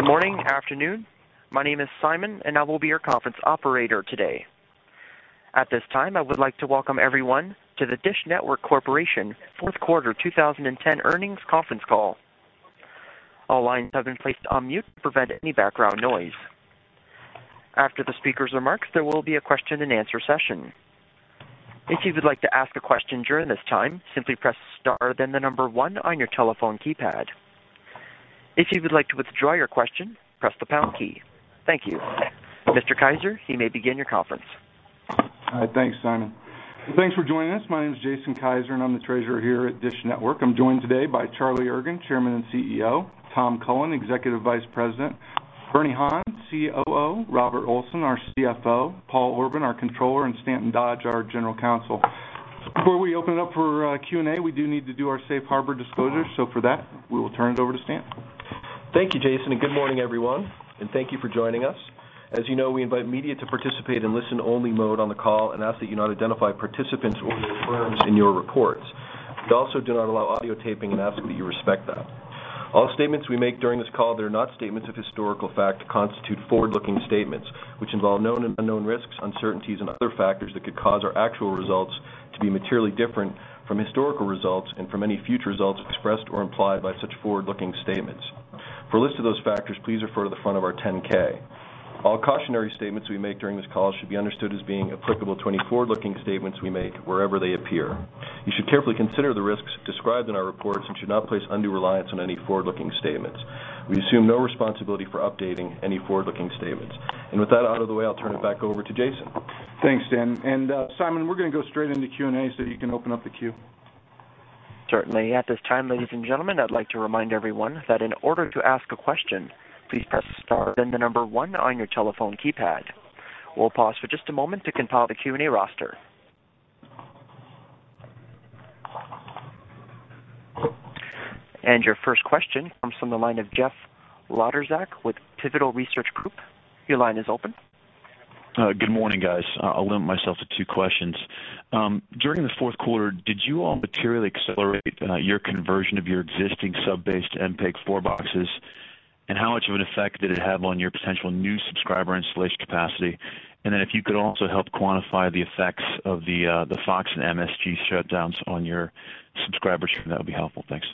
Good morning, afternoon. My name is Simon, and I will be your conference operator today. At this time, I would like to welcome everyone to the DISH Network Corporation fourth quarter 2010 earnings conference call. All lines have been placed on mute to prevent any background noise. After the speaker's remarks, there will be a question-and-answer session. If you would like to ask a question during this time, simply press star then the number one on your telephone keypad. If you would like to withdraw your question, press the pound key. Thank you. Mr. Kiser, you may begin your conference. All right. Thanks, Simon. Thanks for joining us. My name is Jason Kiser, and I'm the treasurer here at DISH Network. I'm joined today by Charlie Ergen, Chairman and CEO, Tom Cullen, Executive Vice President, Bernie Han, COO, Robert Olson, our CFO, Paul Orban, our Controller, and Stanton Dodge, our General Counsel. Before we open it up for Q&A, we do need to do our safe harbor disclosure. For that, we will turn it over to Stanton. Thank you, Jason, and good morning, everyone, and thank you for joining us. As you know, we invite media to participate in listen-only mode on the call and ask that you not identify participants or their firms in your reports. We also do not allow audio taping and ask that you respect that. All statements we make during this call that are not statements of historical fact constitute forward-looking statements, which involve known and unknown risks, uncertainties, and other factors that could cause our actual results to be materially different from historical results and from any future results expressed or implied by such forward-looking statements. For a list of those factors, please refer to the front of our 10-K. All cautionary statements we make during this call should be understood as being applicable to any forward-looking statements we make wherever they appear. You should carefully consider the risks described in our reports and should not place undue reliance on any forward-looking statements. We assume no responsibility for updating any forward-looking statements. With that out of the way, I'll turn it back over to Jason. Thanks, Stan. Simon, we're going to go straight into Q&A, you can open up the queue. Certainly. At this time, ladies and gentlemen, I'd like to remind everyone that in order to ask a question, please press star, then number one on your telephone keypad. We'll pause for just a moment to compile the Q&A roster. Your first question comes from the line of Jeff Wlodarczak with Pivotal Research Group. Your line is open. Good morning, guys. I'll limit myself to two questions. During the fourth quarter, did you all materially accelerate your conversion of your existing sub-based MPEG-4 boxes, and how much of an effect did it have on your potential new subscriber installation capacity? If you could also help quantify the effects of the Fox and MSG shutdowns on your subscribers, that would be helpful. Thanks.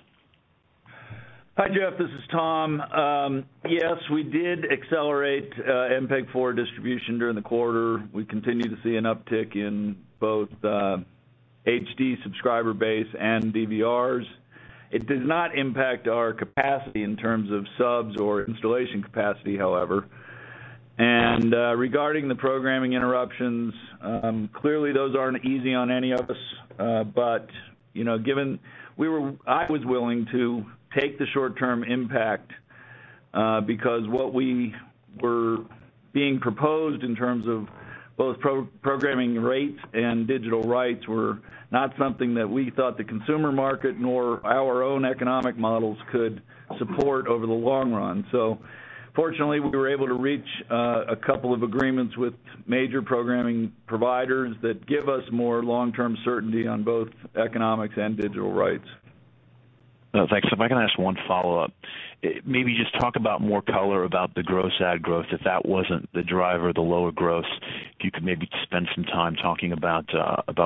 Hi, Jeff, this is Tom. Yes, we did accelerate MPEG-4 distribution during the quarter. We continue to see an uptick in both HD subscriber base and DVRs. It does not impact our capacity in terms of subs or installation capacity, however. Regarding the programming interruptions, clearly those aren't easy on any of us. You know, given I was willing to take the short-term impact because what we were being proposed in terms of both pro-programming rates and digital rights were not something that we thought the consumer market nor our own economic models could support over the long run. Fortunately, we were able to reach a couple of agreements with major programming providers that give us more long-term certainty on both economics and digital rights. Thanks. If I can ask one follow-up. Maybe just talk about more color about the gross ad growth, if that wasn't the driver, the lower gross. If you could maybe spend some time talking about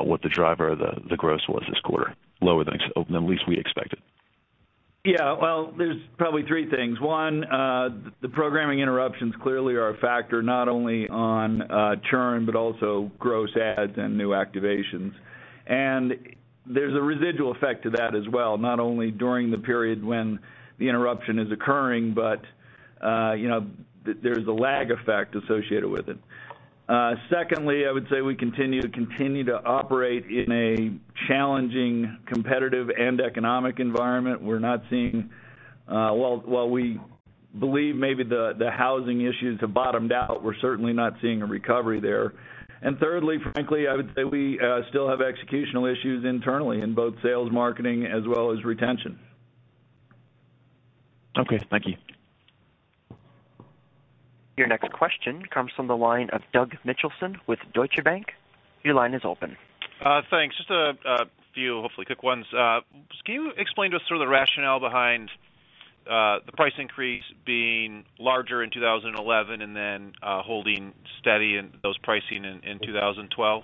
what the driver of the gross was this quarter. Lower than at least we expected. Yeah. Well, there's probably three things. One, the programming interruptions clearly are a factor not only on churn, but also gross add and new activations. There's a residual effect to that as well, not only during the period when the interruption is occurring, but, you know, there's a lag effect associated with it. Secondly, I would say we continue to operate in a challenging competitive and economic environment. We're not seeing, well, while we believe maybe the housing issues have bottomed out, we're certainly not seeing a recovery there. Thirdly, frankly, I would say we still have executional issues internally in both sales, marketing, as well as retention. Okay, thank you. Your next question comes from the line of Doug Mitchelson with Deutsche Bank. Your line is open. Thanks. Just a few hopefully quick ones. Can you explain to us sort of the rationale behind the price increase being larger in 2011 and then holding steady in those pricing in 2012?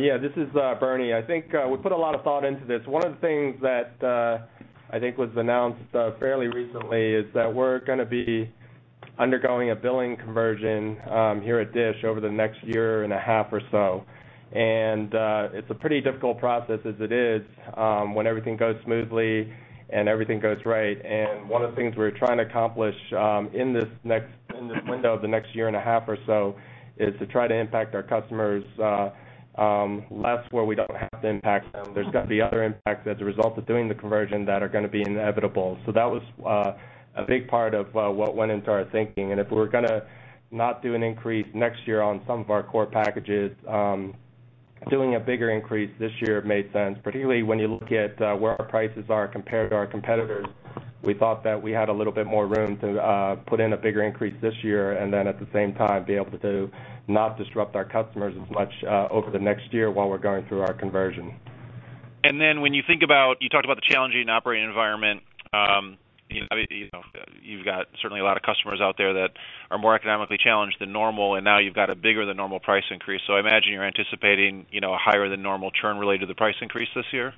Yeah. This is Bernie. I think we put a lot of thought into this. One of the things that I think was announced fairly recently is that we're gonna be undergoing a billing conversion here at DISH Network over the next year and a half or so. It's a pretty difficult process as it is when everything goes smoothly and everything goes right. One of the things we're trying to accomplish in this next, in this window of the next year and a half or so, is to try to impact our customers less where we don't have to impact them. There's gonna be other impacts as a result of doing the conversion that are gonna be inevitable. That was a big part of what went into our thinking. If we were gonna not do an increase next year on some of our core packages, doing a bigger increase this year made sense. Particularly when you look at where our prices are compared to our competitors, we thought that we had a little bit more room to put in a bigger increase this year and then at the same time, be able to not disrupt our customers as much over the next year while we're going through our conversion. When you think about, you talked about the challenging operating environment, you know, you've got certainly a lot of customers out there that are more economically challenged than normal, and now you've got a bigger than normal price increase. I imagine you're anticipating, you know, a higher than normal churn related to the price increase this year?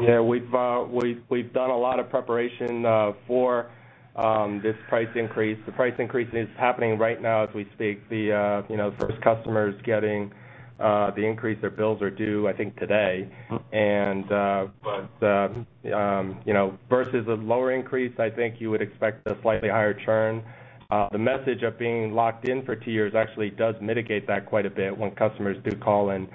Yeah, we've done a lot of preparation for this price increase. The price increase is happening right now as we speak. The, you know, first customers getting the increase, their bills are due, I think, today. You know, versus a lower increase, I think you would expect a slightly higher churn. The message of being locked in for two years actually does mitigate that quite a bit when customers do call and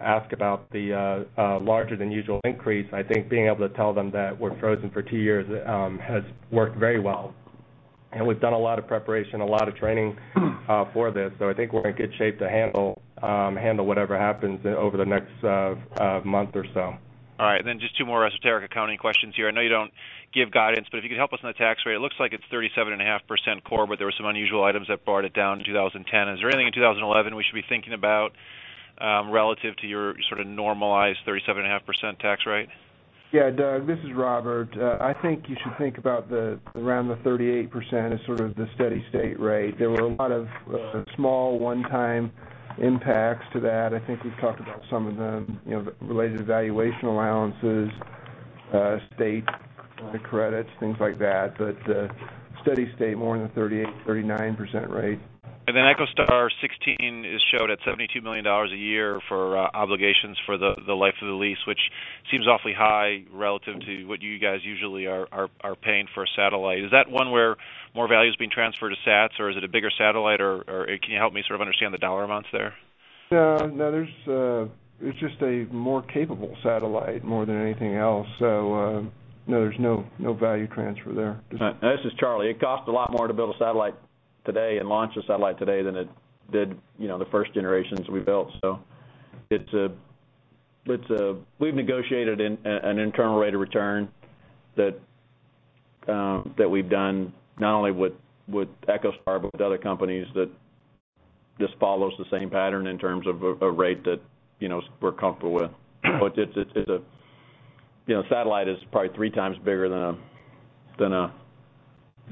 ask about the larger than usual increase. I think being able to tell them that we're frozen for two years has worked very well. We've done a lot of preparation, a lot of training for this. I think we're in good shape to handle whatever happens over the next month or so. All right, just two more esoteric accounting questions here. I know you don't give guidance, but if you could help us on the tax rate. It looks like it's 37.5% core, but there were some unusual items that brought it down in 2010. Is there anything in 2011 we should be thinking about, relative to your sort of normalized 37.5% tax rate? Yeah, Doug, this is Robert. I think you should think about around the 38% as sort of the steady state rate. There were a lot of small one-time impacts to that. I think we've talked about some of them, you know, related to valuation allowances, state credits, things like that. Steady state, more in the 38%-39% rate. EchoStar XVI is showed at $72 million a year for obligations for the life of the lease, which seems awfully high relative to what you guys usually are paying for a satellite. Is that one where more value is being transferred to sats, or is it a bigger satellite or, can you help me sort of understand the dollar amounts there? No, there's just a more capable satellite more than anything else. No, there's no value transfer there. This is Charlie. It costs a lot more to build a satellite today and launch a satellite today than it did, you know, the first generations we built. We've negotiated an internal rate of return that we've done not only with EchoStar, but with other companies that just follows the same pattern in terms of a rate that, you know, we're comfortable with. You know, satellite is probably three times bigger than a,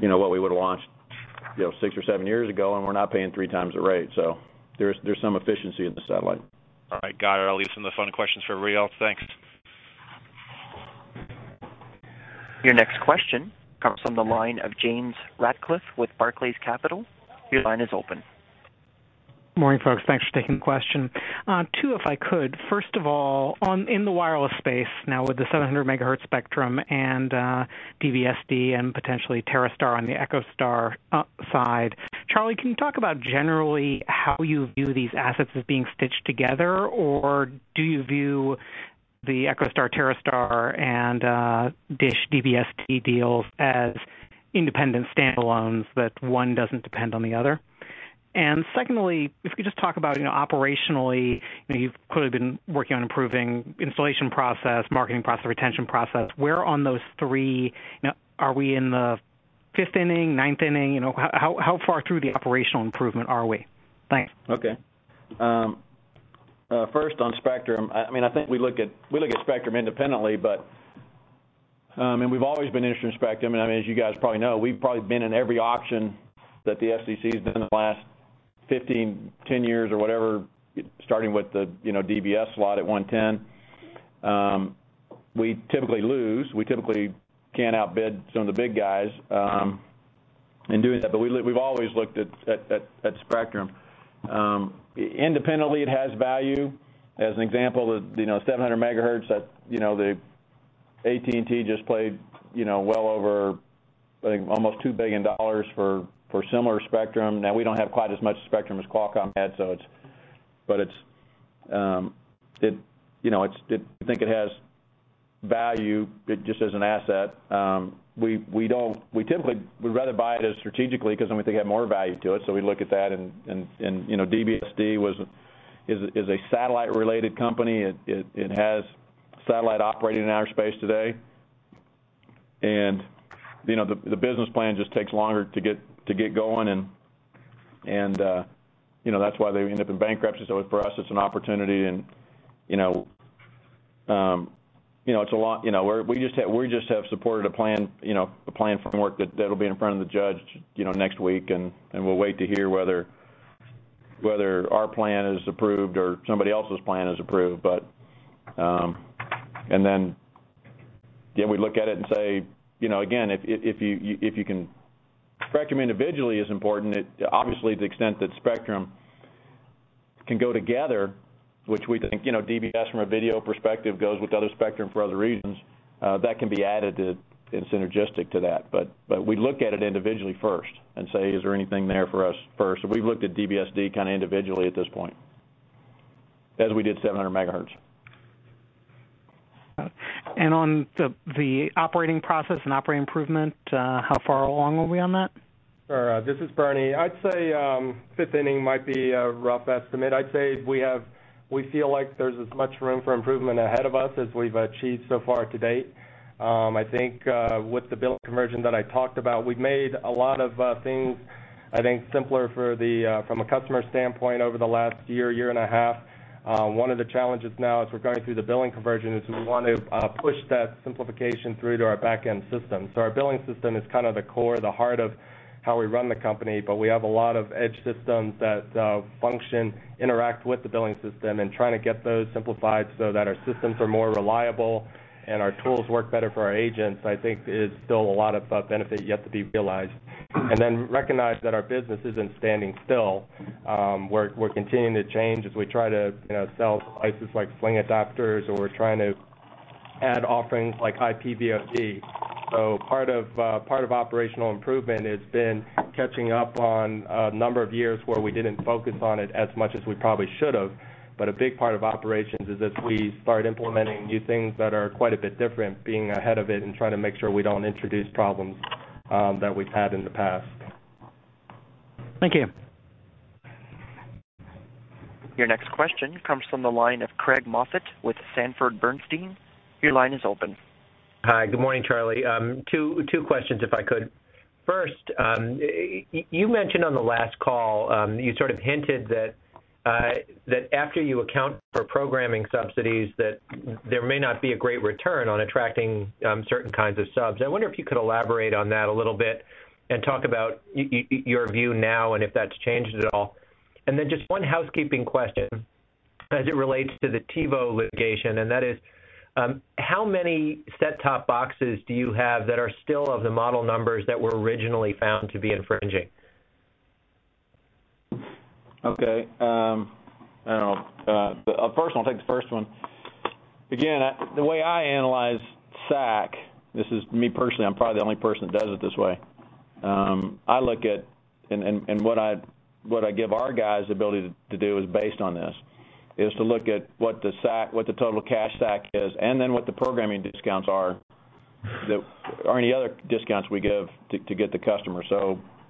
you know, what we would've launched, you know, six or seven years ago, and we're not paying three times the rate. There's some efficiency in the satellite. All right. Got it. I'll leave some of the phone questions for Riel. Thanks. Your next question comes from the line of James Ratcliffe with Barclays Capital. Your line is open. Morning, folks. Thanks for taking the question. Two, if I could. First of all, on, in the wireless space now with the 700 MHz spectrum and DBSD and potentially TerreStar on the EchoStar side, Charlie, can you talk about generally how you view these assets as being stitched together? Or do you view the EchoStar, TerreStar and DISH DBSD deals as independent standalones that one doesn't depend on the other? Secondly, if you could just talk about, you know, operationally, you know, you've clearly been working on improving installation process, marketing process, retention process. Where on those three Now, are we in the fifth inning, nineth inning? You know, how far through the operational improvement are we? Thanks. Okay. First on spectrum, I mean, I think we look at, we look at spectrum independently, but we've always been interested in spectrum. I mean, as you guys probably know, we've probably been in every auction that the FCC has done in the last 15, 10 years or whatever, starting with the, you know, DBS slot at 110. We typically lose. We typically can't outbid some of the big guys, in doing that. We've always looked at spectrum. Independently, it has value. As an example, the, you know, 700 MHz that, you know, AT&T just played, you know, well over, I think, almost $2 billion for similar spectrum. Now, we don't have quite as much spectrum as Qualcomm had, it's, you know, I think it has value just as an asset. We typically would rather buy it as strategically because then we think it had more value to it. We look at that and, you know, DBSD is a satellite related company. It has satellite operating in our space today. You know, the business plan just takes longer to get going and, you know, that's why they end up in bankruptcy. For us, it's an opportunity and, you know, you know, we just have supported a plan, you know, a plan framework that'll be in front of the judge, you know, next week, and we'll wait to hear whether our plan is approved or somebody else's plan is approved. Yeah, we look at it and say, you know, again. Spectrum individually is important. It, obviously, to the extent that spectrum can go together, which we think, you know, DBS from a video perspective goes with other spectrum for other reasons, that can be added to and synergistic to that. We look at it individually first and say, "Is there anything there for us first?" We've looked at DBSD kind of individually at this point, as we did 700 MHz. On the operating process and operating improvement, how far along are we on that? Sure. This is Bernie. I'd say, fifth inning might be a rough estimate. I'd say we feel like there's as much room for improvement ahead of us as we've achieved so far to date. I think, with the bill conversion that I talked about, we've made a lot of things, I think, simpler from a customer standpoint over the last year, year and a half. One of the challenges now as we're going through the billing conversion is we want to push that simplification through to our back-end system. Our billing system is kind of the core, the heart of how we run the company, but we have a lot of edge systems that function, interact with the billing system and trying to get those simplified so that our systems are more reliable and our tools work better for our agents, I think is still a lot of benefit yet to be realized. Recognize that our business isn't standing still. We're continuing to change as we try to, you know, sell devices like Sling Adapters, or we're trying to add offerings like IP VOD. Part of operational improvement has been catching up on a number of years where we didn't focus on it as much as we probably should have, but a big part of operations is as we start implementing new things that are quite a bit different, being ahead of it and trying to make sure we don't introduce problems that we've had in the past. Thank you. Your next question comes from the line of Craig Moffett with Sanford Bernstein. Your line is open. Hi. Good morning, Charlie. Two questions, if I could. First, you mentioned on the last call, you sort of hinted that after you account for programming subsidies, that there may not be a great return on attracting certain kinds of subs. I wonder if you could elaborate on that a little bit and talk about your view now and if that's changed at all. Just one housekeeping question as it relates to the TiVo litigation, and that is, how many set-top boxes do you have that are still of the model numbers that were originally found to be infringing? Okay. I don't know. First, I'll take the first one. The way I analyze SAC, this is me personally, I'm probably the only person that does it this way. What I give our guys the ability to do is based on this, to look at what the SAC, what the total cash SAC is, and then what the programming discounts are that or any other discounts we give to get the customer.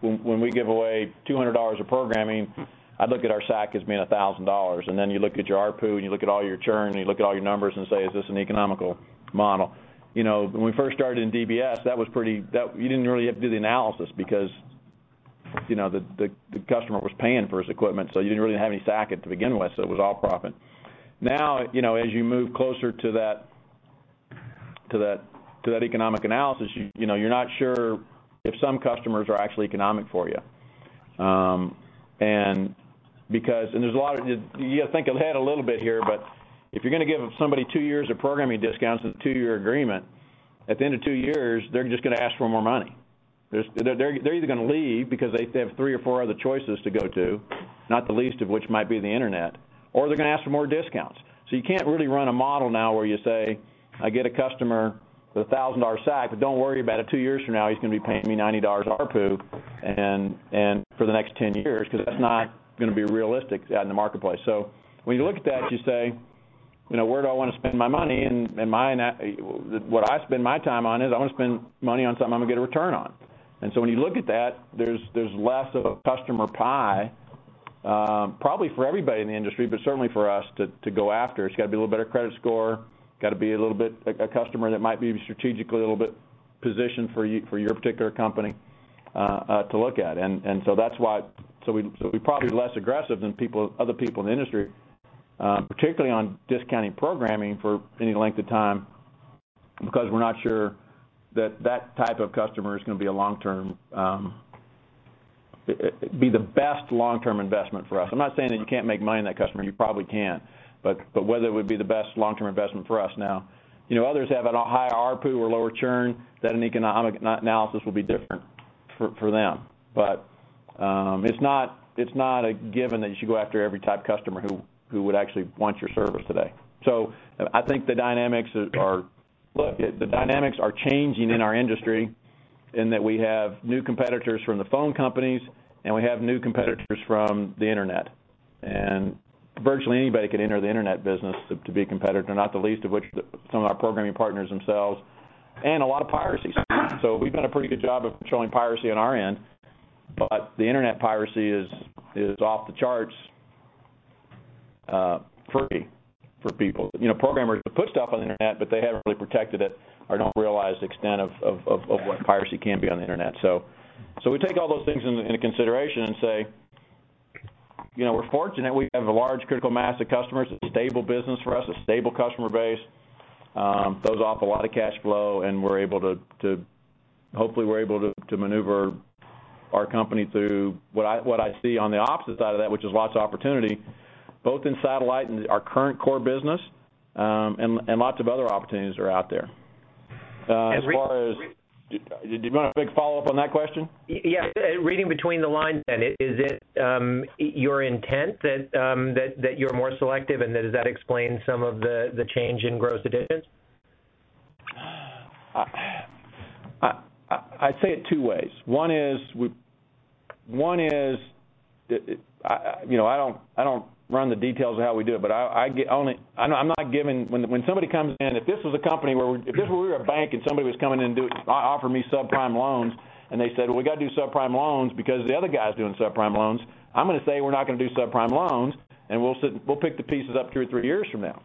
When we give away $200 of programming, I'd look at our SAC as being $1,000. You look at your ARPU, and you look at all your churn, and you look at all your numbers and say, "Is this an economical model?" You know, when we first started in DBS, you didn't really have to do the analysis because, you know, the customer was paying for his equipment, so you didn't really have any SAC to begin with, so it was all profit. Now, you know, as you move closer to that economic analysis, you know, you're not sure if some customers are actually economic for you. You have to think ahead a little bit here, but if you're gonna give somebody two years of programming discounts and a two-year agreement, at the end of two years, they're just gonna ask for more money. They're either gonna leave because they have three or four other choices to go to, not the least of which might be the Internet, or they're gonna ask for more discounts. You can't really run a model now where you say, "I get a customer with a $1,000 SAC, but don't worry about it. Two years from now, he's gonna be paying me $90 ARPU, and for the next 10 years," 'cause that's not gonna be realistic out in the marketplace. When you look at that, you say, you know, "Where do I wanna spend my money?" What I spend my time on is I wanna spend money on something I'm gonna get a return on. When you look at that, there's less of a customer pie, probably for everybody in the industry, but certainly for us to go after. It's gotta be a little better credit score, gotta be a little bit a customer that might be strategically a little bit positioned for your particular company to look at. So that's why we're probably less aggressive than people, other people in the industry, particularly on discounting programming for any length of time because we're not sure that that type of customer is gonna be a long-term, be the best long-term investment for us. I'm not saying that you can't make money on that customer. You probably can. But whether it would be the best long-term investment for us. You know, others have a higher ARPU or lower churn, an economic analysis will be different for them. It's not a given that you should go after every type of customer who would actually want your service today. I think the dynamics are, the dynamics are changing in our industry in that we have new competitors from the phone companies, and we have new competitors from the Internet. Virtually anybody can enter the Internet business to be a competitor, not the least of which some of our programming partners themselves and a lot of piracy. We've done a pretty good job of controlling piracy on our end, the Internet piracy is off the charts for people. You know, programmers put stuff on the Internet, but they haven't really protected it or don't realize the extent of what piracy can be on the Internet. We take all those things into consideration and say, you know, we're fortunate we have a large critical mass of customers, a stable business for us, a stable customer base, throws off a lot of cash flow, and we're able to Hopefully, we're able to maneuver our company through what I see on the opposite side of that, which is lots of opportunity, both in satellite and our current core business, and lots of other opportunities are out there. And re- Do you want a quick follow-up on that question? Yes. Reading between the lines, is it, your intent that you're more selective, and does that explain some of the change in gross additions? I say it two ways. I, you know, I don't run the details of how we do it, but I'm not giving when somebody comes in, if this were a bank and somebody was coming in and offer me subprime loans, and they said, "we gotta do subprime loans because the other guy's doing subprime loans," I'm gonna say we're not gonna do subprime loans, and we'll pick the pieces up two or three years from now.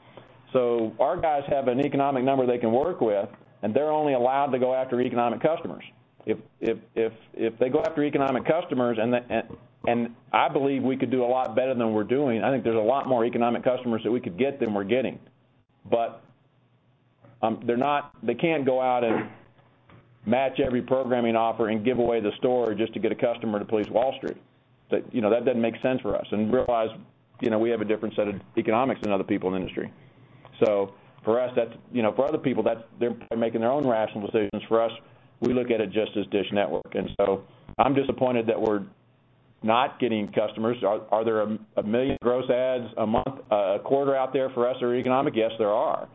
Our guys have an economic number they can work with, and they're only allowed to go after economic customers. If they go after economic customers and I believe we could do a lot better than we're doing, I think there's a lot more economic customers that we could get than we're getting. They can't go out and match every programming offer and give away the store just to get a customer to please Wall Street. That, you know, that doesn't make sense for us. Realize, you know, we have a different set of economics than other people in the industry. For us, that's, you know, for other people, that's they're making their own rational decisions. For us, we look at it just as DISH Network. I'm disappointed that we're not getting customers. Are there a million gross adds a month, a quarter out there for us that are economic? Yes, there are.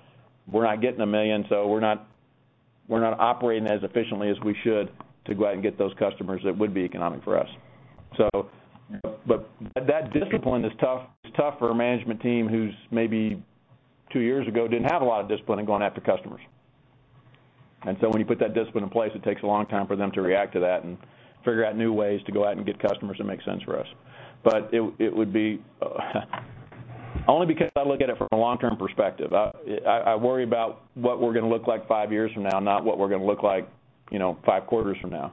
We're not getting $1 million, we're not operating as efficiently as we should to go out and get those customers that would be economic for us. That discipline is tough, it's tough for a management team who's maybe two years ago didn't have a lot of discipline in going after customers. When you put that discipline in place, it takes a long time for them to react to that and figure out new ways to go out and get customers that make sense for us. It would be Only because I look at it from a long-term perspective. I worry about what we're gonna look like five years from now, not what we're gonna look like, you know, five quarters from now.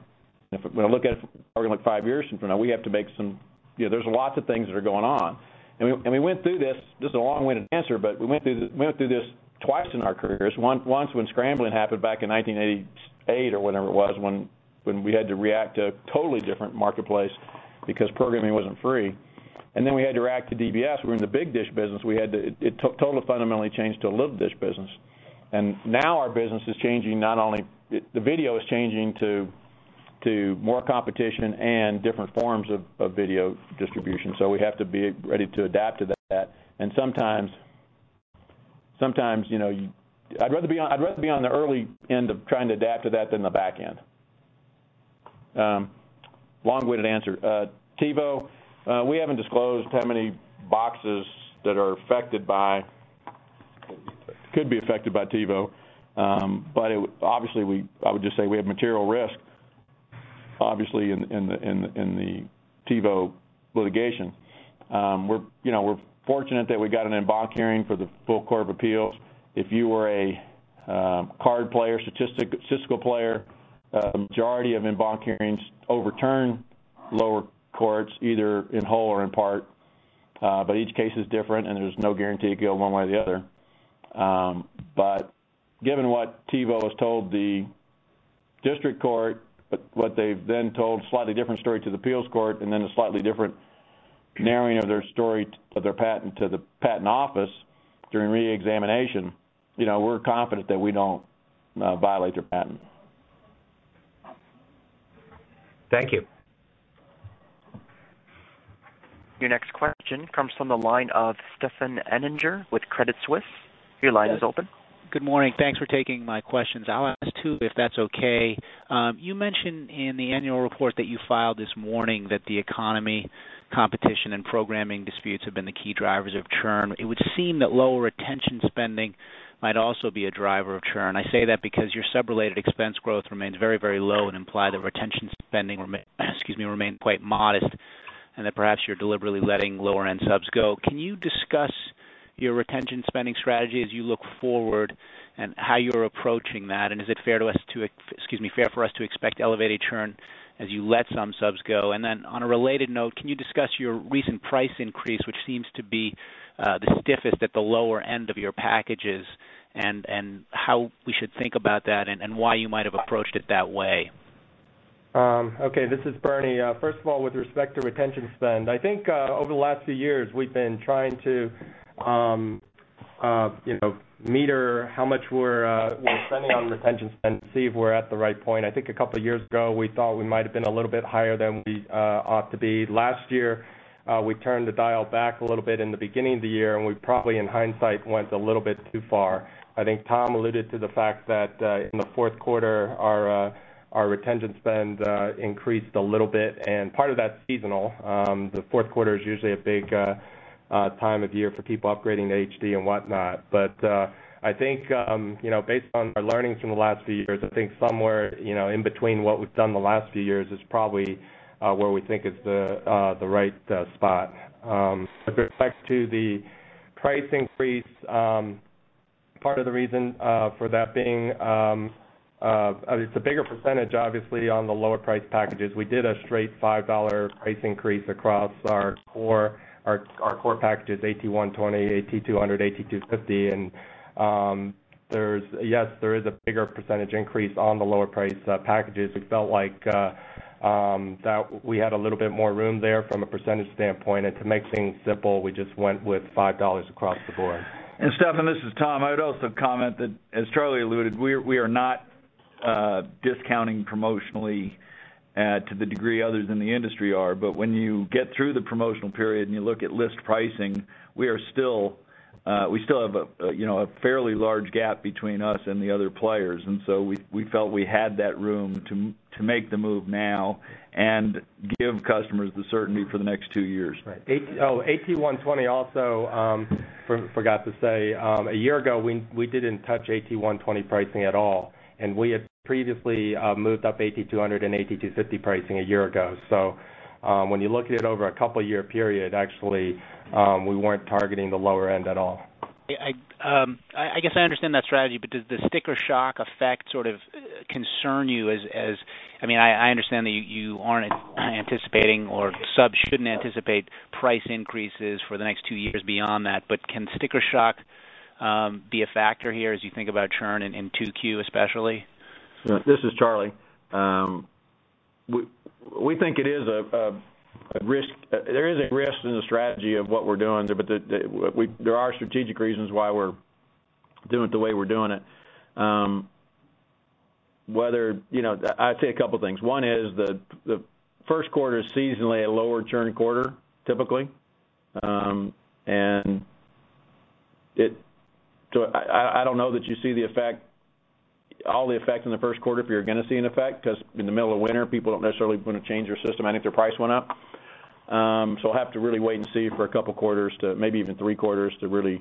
If we're going to look at it from how we're going to look five years from now, You know, there's lots of things that are going on. We went through this. This is a long-winded answer, but we went through this twice in our careers. Once when scrambling happened back in 1988 or whenever it was when we had to react to a totally different marketplace because programming wasn't free. Then we had to react to DBS. We were in the big DISH business. It totally fundamentally changed to a little DISH business. Now our business is changing not only The video is changing to more competition and different forms of video distribution, so we have to be ready to adapt to that. Sometimes, you know, I'd rather be on the early end of trying to adapt to that than the back end. Long-winded answer. TiVo, we haven't disclosed how many boxes that could be affected by TiVo. Obviously, I would just say we have material risk, obviously, in the TiVo litigation. We're, you know, we're fortunate that we got an en banc hearing for the full Court of Appeals. If you were a card player, statistical player, majority of en banc hearings overturn lower courts either in whole or in part. Each case is different, and there's no guarantee it'd go one way or the other. Given what TiVo has told the district court, but what they've then told slightly different story to the appeals court and then a slightly different narrowing of their story to their patent to the patent office during reexamination, you know, we're confident that we don't violate their patent. Thank you. Your next question comes from the line of Stefan Anninger with Credit Suisse. Your line is open. Good morning. Thanks for taking my questions. I'll ask two if that's okay. You mentioned in the annual report that you filed this morning that the economy, competition, and programming disputes have been the key drivers of churn. It would seem that lower retention spending might also be a driver of churn. I say that because your sub-related expense growth remains very, very low and imply that retention spending excuse me, remained quite modest, and that perhaps you're deliberately letting lower-end subs go. Can you discuss your retention spending strategy as you look forward and how you're approaching that? Is it fair to us to excuse me, fair for us to expect elevated churn as you let some subs go? On a related note, can you discuss your recent price increase, which seems to be the stiffest at the lower end of your packages and how we should think about that and why you might have approached it that way? Okay, this is Bernie. First of all, with respect to retention spend, I think, over the last few years we've been trying to, you know, meter how much we're spending on retention spend to see if we're at the right point. I think two years ago we thought we might have been a little bit higher than we ought to be. Last year, we turned the dial back a little bit in the beginning of the year, and we probably in hindsight went a little bit too far. I think Tom alluded to the fact that, in the fourth quarter our retention spend increased a little bit, and part of that's seasonal. The fourth quarter is usually a big time of year for people upgrading to HD and whatnot. I think, you know, based on our learnings from the last few years, I think somewhere, you know, in between what we've done the last few years is probably where we think is the right spot. With respect to the price increase, part of the reason for that being, it's a bigger percentage obviously on the lower priced packages. We did a straight $5 price increase across our core packages, AT120, AT200, AT250. There is a bigger percentage increase on the lower priced packages. We felt like that we had a little bit more room there from a percentage standpoint. To make things simple, we just went with $5 across the board. Stefan, this is Tom. I would also comment that, as Charlie alluded, we are not discounting promotionally to the degree others in the industry are. When you get through the promotional period and you look at list pricing, we are still- We still have a, you know, a fairly large gap between us and the other players, and so we felt we had that room to make the move now and give customers the certainty for the next two years. Right. AT120 also, forgot to say, a year ago, we didn't touch AT120 pricing at all, and we had previously moved up AT200 and AT250 pricing a year ago. When you look at it over a couple year period, actually, we weren't targeting the lower end at all. I guess I understand that strategy, but does the sticker shock effect sort of concern you as I mean, I understand that you aren't anticipating or subs shouldn't anticipate price increases for the next two years beyond that, but can sticker shock be a factor here as you think about churn in Q2 especially? This is Charlie. We think it is a risk. There is a risk in the strategy of what we're doing, but there are strategic reasons why we're doing it the way we're doing it. You know, I'd say two things. One is the first quarter is seasonally a lower churn quarter, typically. I don't know that you see the effect, all the effect in the first quarter if you're gonna see an effect, 'cause in the middle of winter, people don't necessarily wanna change their system, I think, if their price went up. I'll have to really wait and see for two quarters to, maybe even three quarters, to really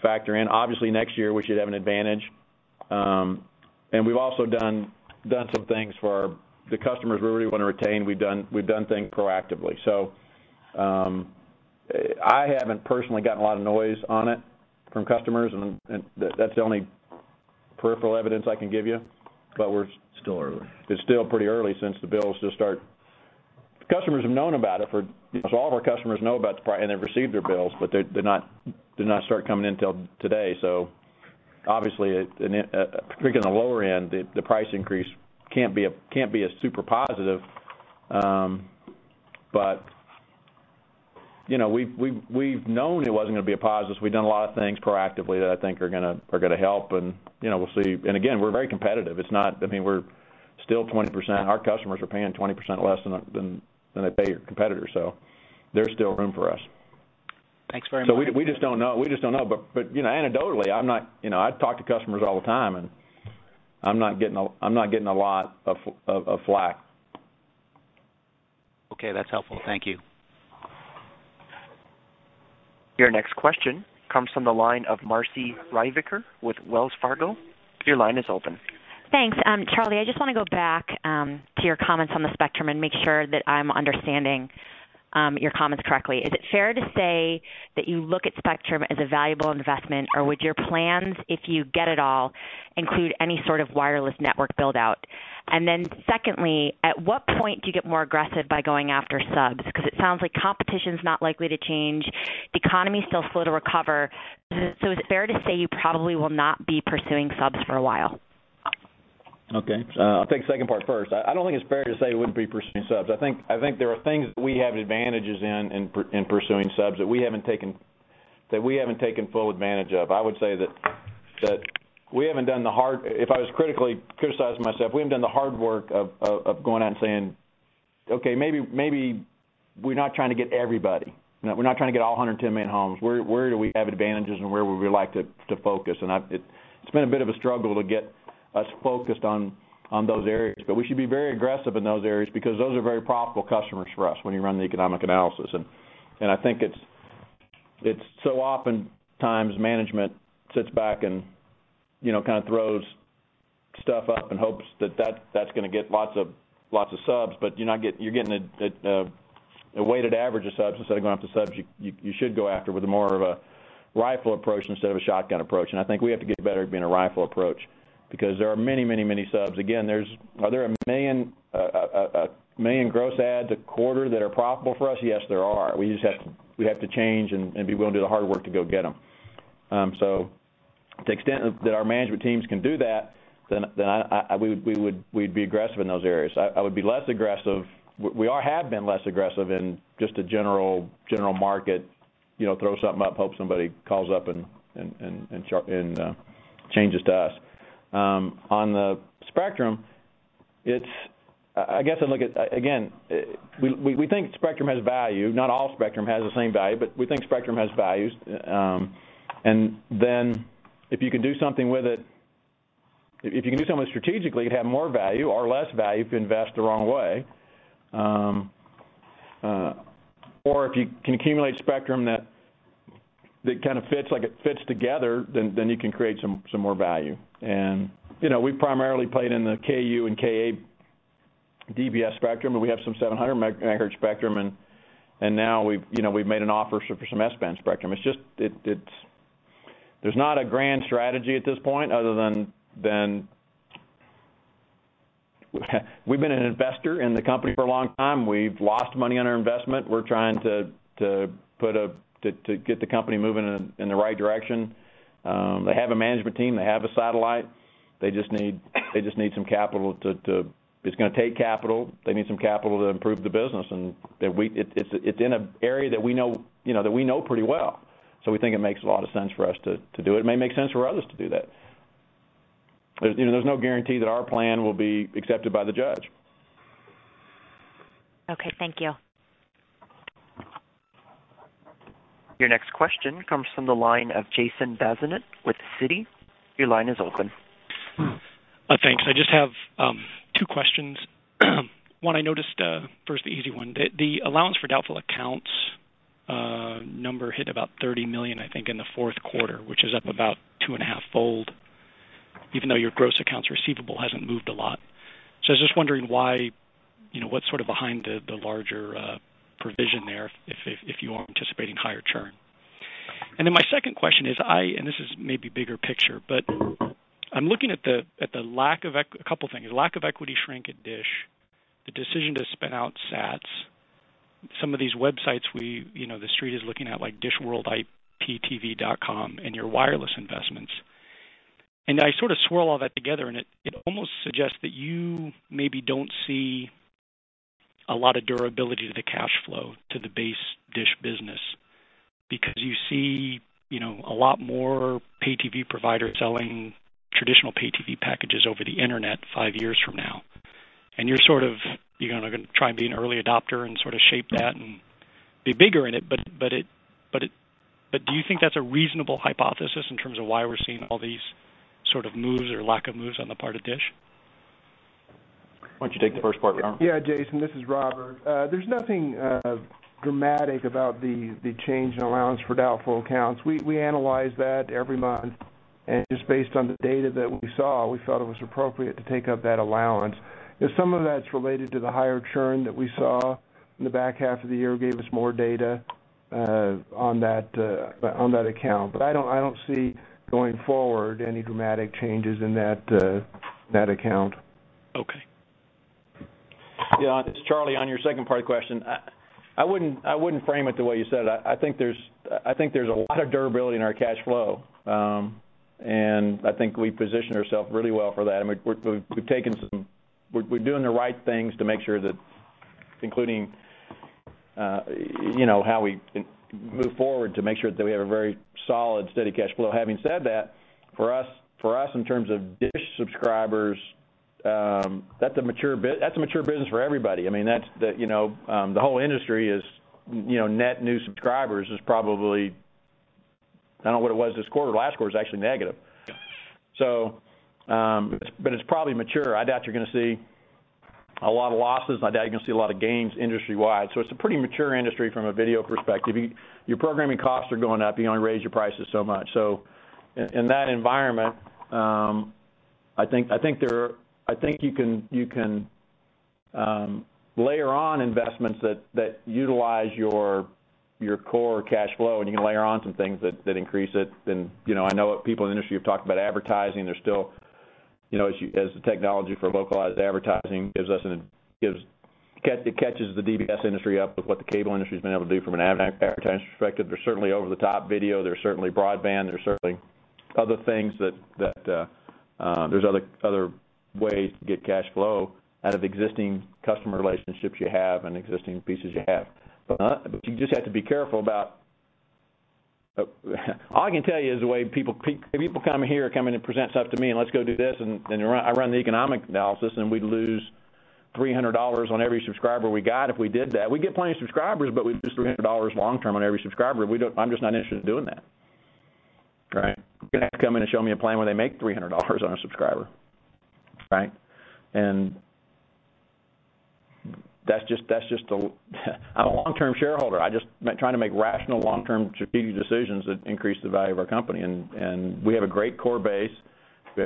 factor in. Obviously, next year we should have an advantage, and we've also done some things for the customers we really wanna retain. We've done things proactively. I haven't personally gotten a lot of noise on it from customers and that's the only peripheral evidence I can give you. It's still early. it's still pretty early since the bills just start. Customers have known about it for, you know, all of our customers know about the pri- and they've received their bills, but they're not start coming in till today. Obviously, particularly on the lower end, the price increase can't be a super positive. You know, we've known it wasn't gonna be a positive, we've done a lot of things proactively that I think are gonna help and, you know, we'll see. Again, we're very competitive. It's not, I mean, we're still 20%. Our customers are paying 20% less than they pay our competitors, there's still room for us. Thanks very much. We just don't know, we just don't know. You know, anecdotally, I'm not, you know, I talk to customers all the time, and I'm not getting a lot of flack. Okay, that's helpful. Thank you. Your next question comes from the line of Marci Ryvicker with Wells Fargo. Your line is open. Thanks. Charlie, I just wanna go back to your comments on the spectrum and make sure that I'm understanding your comments correctly. Is it fair to say that you look at spectrum as a valuable investment or would your plans, if you get it all, include any sort of wireless network build out? Secondly, at what point do you get more aggressive by going after subs? 'Cause it sounds like competition's not likely to change. The economy is still slow to recover. Is it fair to say you probably will not be pursuing subs for a while? Okay. I'll take the second part first. I don't think it's fair to say we wouldn't be pursuing subs. I think there are things that we have advantages in pursuing subs that we haven't taken full advantage of. I would say that if I was critically criticizing myself, we haven't done the hard work of going out and saying, "Okay, maybe we're not trying to get everybody. We're not trying to get all 110 million homes. Where do we have advantages and where would we like to focus? It's been a bit of a struggle to get us focused on those areas, but we should be very aggressive in those areas because those are very profitable customers for us when you run the economic analysis. I think it's so oftentimes management sits back and, you know, kind of throws stuff up and hopes that that's gonna get lots of subs, but you're getting a weighted average of subs instead of going after subs you should go after with more of a rifle approach instead of a shotgun approach. I think we have to get better at being a rifle approach because there are many subs. Are there 1 million gross adds a quarter that are profitable for us? Yes, there are. We have to change and be willing to do the hard work to go get them. To the extent that our management teams can do that, we'd be aggressive in those areas. I would be less aggressive. We have been less aggressive in just the general market, you know, throw something up, hope somebody calls up and changes to us. On the spectrum, we think spectrum has value. Not all spectrum has the same value, we think spectrum has values. If you can do something with it, if you can do something strategically, it'd have more value or less value if you invest the wrong way. If you can accumulate spectrum that kind of fits, like it fits together, you can create some more value. You know, we've primarily played in the Ku-band and Ka-band DBS spectrum, and we have some 700 MHz spectrum, and now we've made an offer for some S-band spectrum. It's just, there's not a grand strategy at this point other than we've been an investor in the company for a long time. We've lost money on our investment. We're trying to put a to get the company moving in the right direction. They have a management team. They have a satellite. They just need some capital to, it's gonna take capital. They need some capital to improve the business and that we, it's in an area that we know, you know, that we know pretty well. We think it makes a lot of sense for us to do it. It may make sense for others to do that. There's, you know, there's no guarantee that our plan will be accepted by the judge. Okay. Thank you. Your next question comes from the line of Jason Bazinet with Citi. Your line is open. Thanks. I just have two questions. One, I noticed, first, the easy one. The allowance for doubtful accounts number hit about $30 million, I think, in the fourth quarter, which is up about 2.5-fold, even though your gross accounts receivable hasn't moved a lot. I was just wondering why, you know, what's sort of behind the larger provision there if you are anticipating higher churn? My second question is, And this is maybe bigger picture, but I'm looking at the at the lack of A couple things. Lack of equity shrink at DISH, the decision to spin out SATs. Some of these websites we, you know, the Street is looking at like dishworldiptv.com and your wireless investments. I sort of swirl all that together, and it almost suggests that you maybe don't see a lot of durability to the cash flow to the base DISH business because you see, you know, a lot more pay TV providers selling traditional pay TV packages over the Internet five years from now. You're sort of, you know, gonna try and be an early adopter and sort of shape that and be bigger in it. Do you think that's a reasonable hypothesis in terms of why we're seeing all these sort of moves or lack of moves on the part of DISH? Why don't you take the first part, Robert? Yeah, Jason, this is Robert. There's nothing dramatic about the change in allowance for doubtful accounts. We analyze that every month, just based on the data that we saw, we felt it was appropriate to take up that allowance. Some of that's related to the higher churn that we saw in the back half of the year, gave us more data on that account. I don't see going forward any dramatic changes in that account. Okay. Yeah, it's Charlie. On your second part of the question. I wouldn't frame it the way you said. I think there's a lot of durability in our cash flow. I think we position ourselves really well for that. I mean, we're doing the right things to make sure that including, you know, how we can move forward to make sure that we have a very solid, steady cash flow. Having said that, for us, in terms of DISH subscribers, that's a mature business for everybody. I mean, that's the, you know, the whole industry is, you know, net new subscribers is probably I don't know what it was this quarter. Last quarter it was actually negative. It's probably mature. I doubt you're gonna see a lot of losses, and I doubt you're gonna see a lot of gains industry-wide. It's a pretty mature industry from a video perspective. Your programming costs are going up. You can only raise your prices so much. In that environment, I think you can layer on investments that utilize your core cash flow, and you can layer on some things that increase it. You know, I know people in the industry have talked about advertising. They're still, you know, as the technology for localized advertising gives us an, it catches the DBS industry up with what the cable industry's been able to do from an advertising perspective. There's certainly over-the-top video, there's certainly broadband, there's certainly other things that, there's other ways to get cash flow out of existing customer relationships you have and existing pieces you have. You just have to be careful about. All I can tell you is the way people come here, come in and present stuff to me, and let's go do this, and I run the economic analysis, and we'd lose $300 on every subscriber we got if we did that. We'd get plenty of subscribers, but we'd lose $300 long term on every subscriber, and I'm just not interested in doing that. Right. You're gonna have to come in and show me a plan where they make $300 on a subscriber, right? That's just a I'm a long-term shareholder. I'm just trying to make rational, long-term strategic decisions that increase the value of our company. We have a great core base. We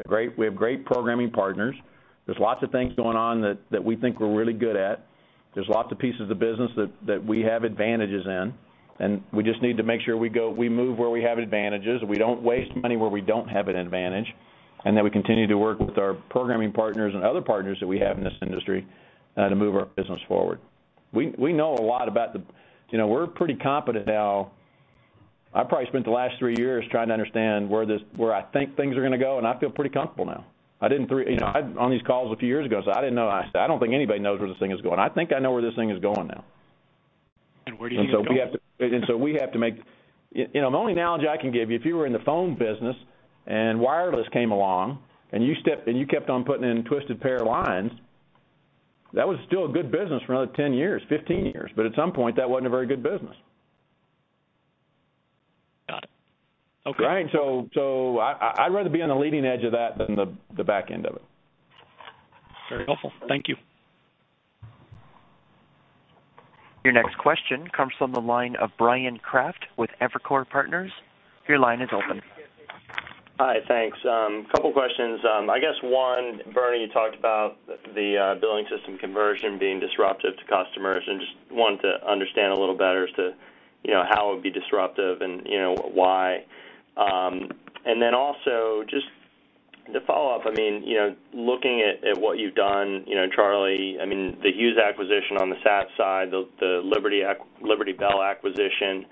have great programming partners. There's lots of things going on that we think we're really good at. There's lots of pieces of business that we have advantages in, and we just need to make sure we move where we have advantages, we don't waste money where we don't have an advantage, and that we continue to work with our programming partners and other partners that we have in this industry to move our business forward. We know a lot about. You know, we're pretty competent now. I've probably spent the last three years trying to understand where I think things are gonna go, and I feel pretty comfortable now. I didn't. You know, I, on these calls a few years ago, said, "I didn't know." I said, "I don't think anybody knows where this thing is going." I think I know where this thing is going now. Where do you think it's going? We have to make You know, the only analogy I can give you, if you were in the phone business and wireless came along, and you kept on putting in twisted pair lines, that was still a good business for another 10 years, 15 years. At some point, that wasn't a very good business. Got it. Okay. Right? I'd rather be on the leading edge of that than the back end of it. Very helpful. Thank you. Your next question comes from the line of Bryan Kraft with Evercore Partners. Your line is open. Hi. Thanks. Couple questions. I guess one, Bernie, you talked about the billing system conversion being disruptive to customers, and just wanted to understand a little better as to, you know, how it would be disruptive and, you know, why. And then also, just to follow up, I mean, you know, looking at what you've done, you know, Charlie, I mean, the Hughes acquisition on the SAT side, the Liberty Bell acquisition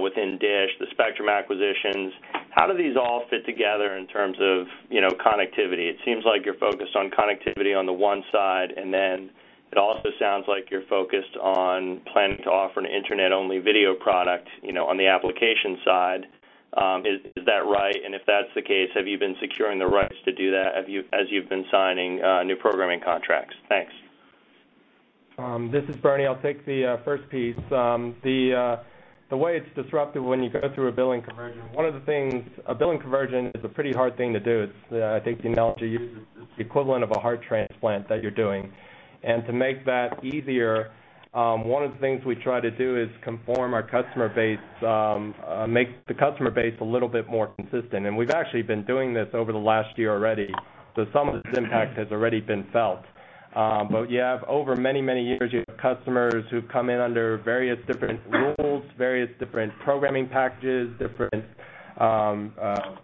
within DISH, the Spectrum acquisitions, how do these all fit together in terms of, you know, connectivity? It seems like you're focused on connectivity on the one side, and then it also sounds like you're focused on planning to offer an internet-only video product, you know, on the application side. Is that right? If that's the case, have you been securing the rights to do that as you've been signing new programming contracts? Thanks. This is Bernie. I'll take the first piece. The way it's disruptive when you go through a billing conversion, a billing conversion is a pretty hard thing to do. It's, I think the analogy used is it's the equivalent of a heart transplant that you're doing. To make that easier, one of the things we try to do is conform our customer base, make the customer base a little bit more consistent. We've actually been doing this over the last year already, so some of this impact has already been felt. You have over many, many years, you have customers who've come in under various different rules, various different programming packages, different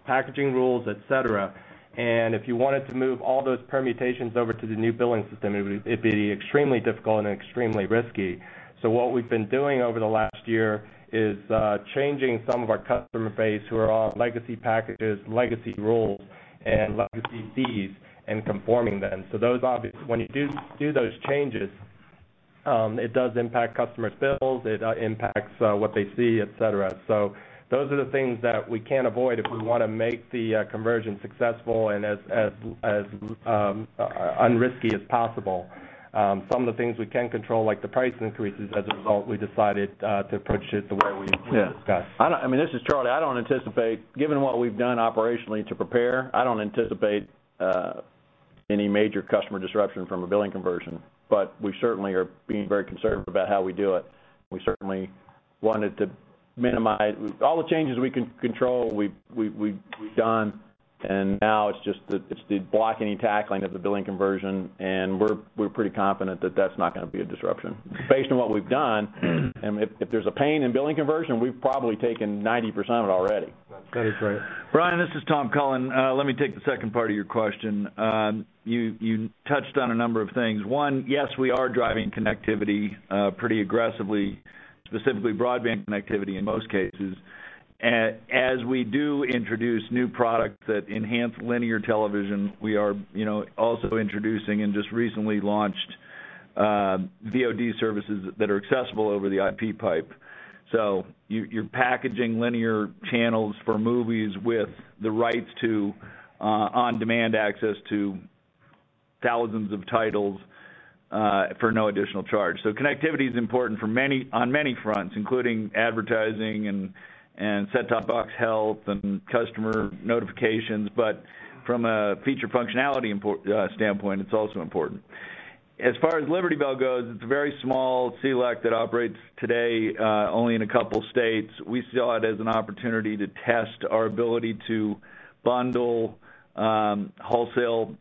packaging rules, et cetera. If you wanted to move all those permutations over to the new billing system, it'd be extremely difficult and extremely risky. What we've been doing over the last year is changing some of our customer base who are on legacy packages, legacy rules, and legacy fees and conforming them. When you do those changes, it does impact customers' bills. It impacts what they see, et cetera. Those are the things that we can't avoid if we wanna make the conversion successful and as un-risky as possible. Some of the things we can control, like the price increases as a result, we decided to approach it the way we discussed. Yeah. I mean, this is Charlie. I don't anticipate, given what we've done operationally to prepare, I don't anticipate any major customer disruption from a billing conversion. We certainly are being very conservative about how we do it. We certainly wanted to minimize all the changes we can control, we've done, and now it's just the blocking and tackling of the billing conversion, and we're pretty confident that that's not gonna be a disruption. Based on what we've done, if there's a pain in billing conversion, we've probably taken 90% of it already. That is right. Bryan, this is Tom. Let me take the second part of your question. You touched on a number of things. One, yes, we are driving connectivity pretty aggressively, specifically broadband connectivity in most cases. As we do introduce new products that enhance linear television, we are, you know, also introducing and just recently launched VOD services that are accessible over the IP pipe. You're packaging linear channels for movies with the rights to on-demand access to thousands of titles for no additional charge. Connectivity is important on many fronts, including advertising and set-top box health and customer notifications. From a feature functionality standpoint, it's also important. As far as Liberty Bell goes, it's a very small CLEC that operates today only in a couple of states. We saw it as an opportunity to test our ability to bundle wholesale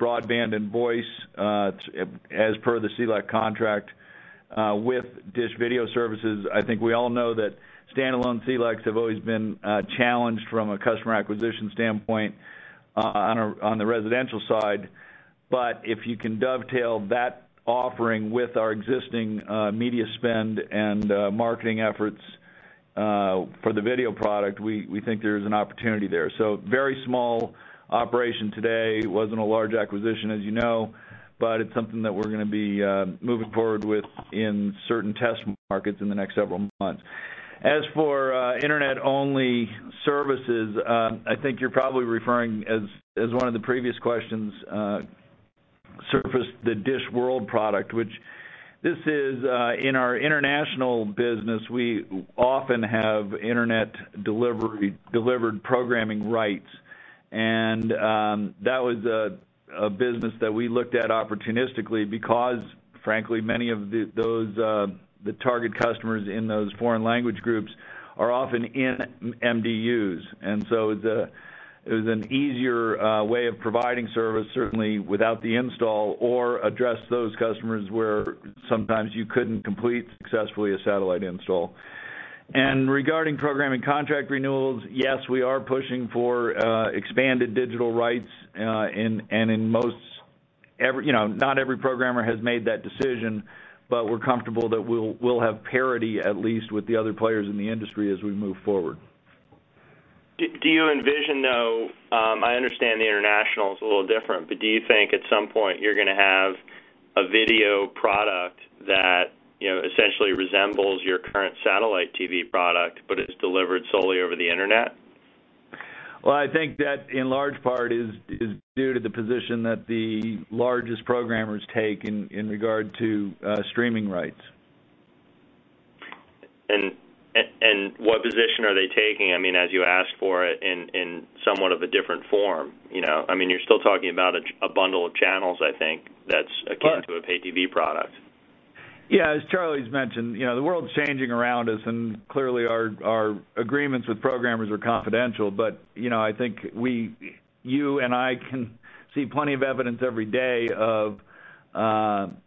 broadband and voice as per the CLEC contract with DISH Video Services. I think we all know that standalone CLECs have always been challenged from a customer acquisition standpoint on the residential side. If you can dovetail that offering with our existing media spend and marketing efforts for the video product, we think there's an opportunity there. Very small operation today. It wasn't a large acquisition, as you know, but it's something that we're gonna be moving forward with in certain test markets in the next several months. As for internet-only services, I think you're probably referring as one of the previous questions surfaced the DISH World product, which this is in our international business, we often have internet delivered programming rights. That was a business that we looked at opportunistically because, frankly, many of those the target customers in those foreign language groups are often in MDUs. It was an easier way of providing service, certainly without the install or address those customers where sometimes you couldn't complete successfully a satellite install. Regarding programming contract renewals, yes, we are pushing for expanded digital rights in most every You know, not every programmer has made that decision, but we're comfortable that we'll have parity, at least, with the other players in the industry as we move forward. Do you envision, though, I understand the international is a little different, but do you think at some point you're gonna have a video product that, you know, essentially resembles your current satellite TV product, but it's delivered solely over the Internet? Well, I think that in large part is due to the position that the largest programmers take in regard to streaming rights. What position are they taking? I mean, as you ask for it in somewhat of a different form, you know. I mean, you're still talking about a bundle of channels, I think, that's akin to a pay TV product. Yeah. As Charlie's mentioned, you know, the world's changing around us. Clearly our agreements with programmers are confidential. You know, I think we, you and I can see plenty of evidence every day of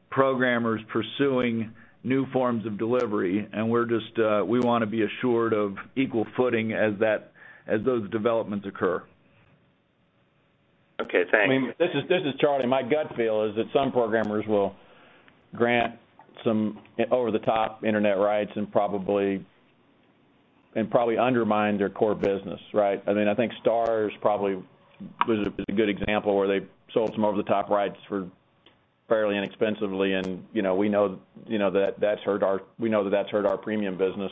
programmers pursuing new forms of delivery. We're just, we wanna be assured of equal footing as those developments occur. Okay. Thanks. I mean, this is Charlie. My gut feel is that some programmers will grant some over-the-top internet rights and probably undermine their core business, right? I mean, I think Starz probably was a good example where they sold some over-the-top rights for fairly inexpensively and, you know, we know that that's hurt our premium business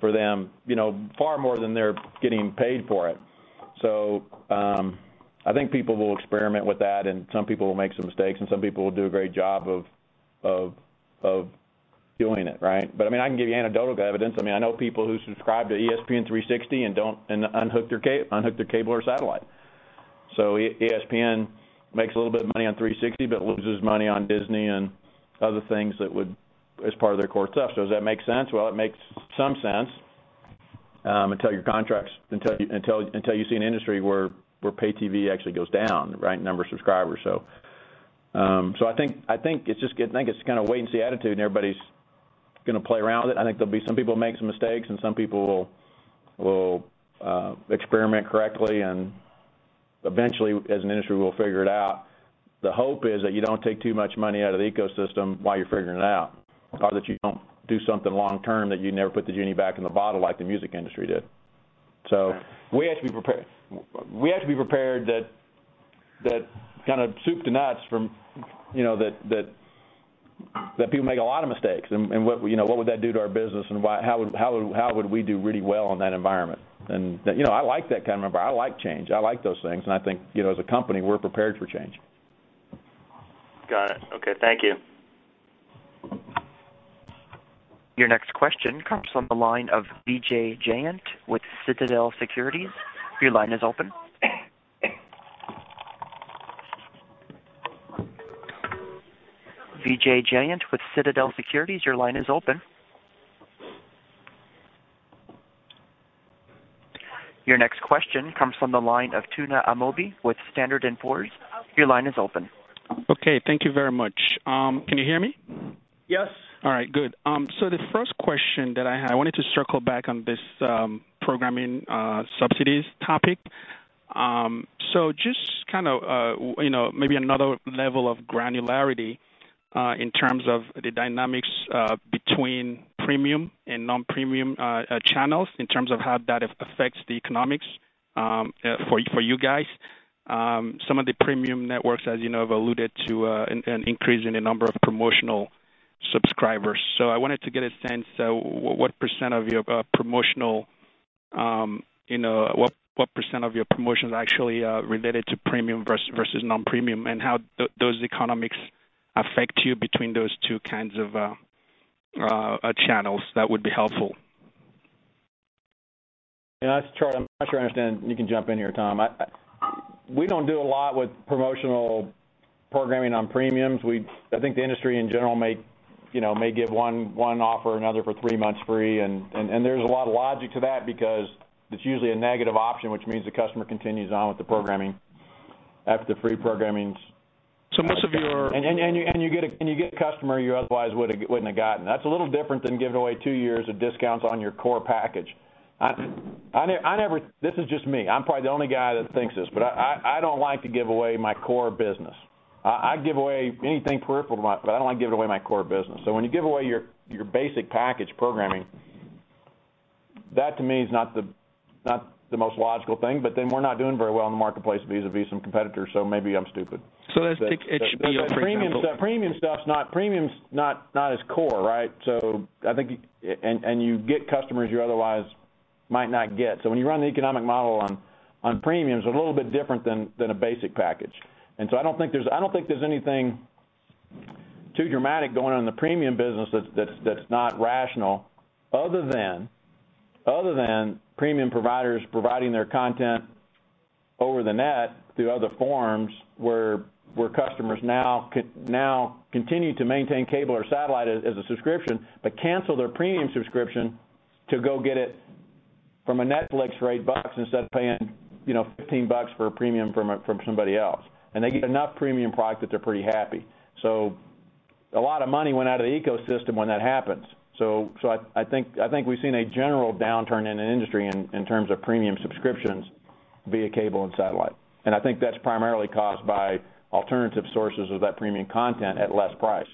for them, you know, far more than they're getting paid for it. I think people will experiment with that and some people will make some mistakes and some people will do a great job of doing it, right? I mean, I can give you anecdotal evidence. I mean, I know people who subscribe to ESPN 360 and unhook their cable or satellite. ESPN makes a little bit of money on ESPN360 but loses money on Disney and other things that would, as part of their core stuff. Does that make sense? Well, it makes some sense, until your contracts, until you see an industry where pay TV actually goes down, right? Number of subscribers. I think it's just I think it's kinda wait and see attitude and everybody's gonna play around with it. I think there'll be some people make some mistakes and some people will experiment correctly and eventually, as an industry, we'll figure it out. The hope is that you don't take too much money out of the ecosystem while you're figuring it out, or that you don't do something long term that you never put the genie back in the bottle like the music industry did. We have to be prepared, we have to be prepared that kind of soup to nuts from, you know, that people make a lot of mistakes and what, you know, what would that do to our business and why, how would we do really well in that environment? You know, I like that kind of environment. I like change. I like those things, and I think, you know, as a company, we're prepared for change. Got it. Okay, thank you. Your next question comes from the line of Vijay Jayant with Citadel Securities. Your line is open. Vijay Jayant with Citadel Securities, your line is open. Your next question comes from the line of Tuna Amobi with Standard & Poor's. Your line is open. Okay, thank you very much. Can you hear me? Yes. All right, good. The first question that I had, I wanted to circle back on this programming subsidies topic. Just kind of, you know, maybe another level of granularity in terms of the dynamics between premium and non-premium channels in terms of how that affects the economics for you guys. Some of the premium networks, as you know, have alluded to an increase in the number of promotional subscribers. I wanted to get a sense, what percent of your promotions actually are related to premium versus non-premium, and how those economics affect you between those two kinds of channels, that would be helpful. Yeah, that's Charlie, I'm not sure I understand. You can jump in here, Tom. We don't do a lot with promotional programming on premiums. I think the industry in general may, you know, give one offer or another for three months free and there's a lot of logic to that because it's usually a negative option, which means the customer continues on with the programming after the free programming's. most of your- You get a customer you otherwise wouldn't have gotten. That's a little different than giving away two years of discounts on your core package. I never. This is just me. I'm probably the only guy that thinks this. I don't like to give away my core business. I give away anything peripheral. I don't like giving away my core business. When you give away your basic package programming, that to me is not the most logical thing. We're not doing very well in the marketplace vis-a-vis some competitors. Maybe I'm stupid. Let's take HBO, for example. The premium stuff's not as core, right? I think you get customers you otherwise might not get. When you run the economic model on premiums, they're a little bit different than a basic package. I don't think there's anything too dramatic going on in the premium business that's not rational other than premium providers providing their content over the net through other forms where customers now continue to maintain cable or satellite as a subscription but cancel their premium subscription to go get it from Netflix for $8 instead of paying, you know, $15 for a premium from somebody else. They get enough premium product that they're pretty happy. A lot of money went out of the ecosystem when that happens. I think we've seen a general downturn in the industry in terms of premium subscriptions via cable and satellite. I think that's primarily caused by alternative sources of that premium content at less price.